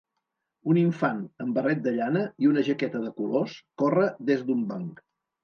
Un infant amb barret de llana i una jaqueta de colors corre des d'un banc.